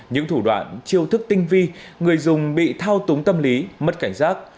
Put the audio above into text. những thủ đoạn chiêu thức tinh vi người dùng bị thao túng tâm lý mất cảnh giác